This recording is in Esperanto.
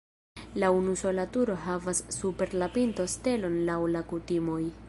La unusola turo havas super la pinto stelon laŭ la kutimoj.